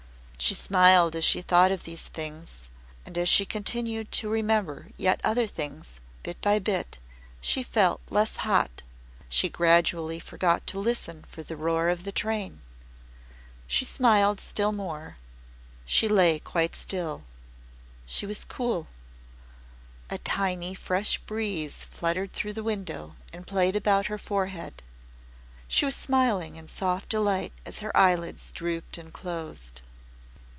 She smiled as she thought of these things, and as she continued to remember yet other things, bit by bit, she felt less hot she gradually forgot to listen for the roar of the train she smiled still more she lay quite still she was cool a tiny fresh breeze fluttered through the window and played about her forehead. She was smiling in soft delight as her eyelids drooped and closed.